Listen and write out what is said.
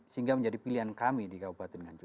sehingga menjadi pilihan kami di kabupaten nganjuk